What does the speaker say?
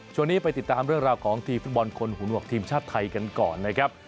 ช่วงนี้ไปติดตามเรื่องราวของทีมฟุตบอลคนหุ่นหวกทีมชาติไทยกันก่อนนะครับ